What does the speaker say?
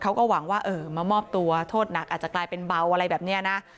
เขาก็หวังว่าเออมามอบตัวโทษหนักอาจจะกลายเป็นเบาอะไรแบบนี้นะ